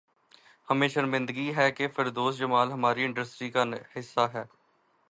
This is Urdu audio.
ہمیں شرمندگی ہے کہ فردوس جمال ہماری انڈسٹری کا حصہ ہیں